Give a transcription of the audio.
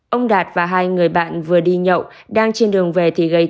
ông đạt và hai người bạn vừa đi nhậu đang trên đường về thì gây